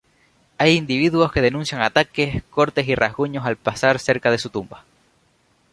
Hay individuos que denuncian ataques, cortes y rasguños al pasar cerca de su tumba.